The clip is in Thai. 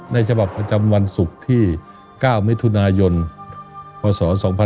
ฉบับประจำวันศุกร์ที่๙มิถุนายนพศ๒๕๖๒